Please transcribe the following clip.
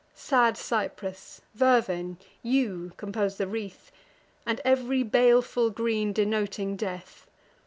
Sad cypress, vervain, yew, compose the wreath, And ev'ry baleful green denoting death.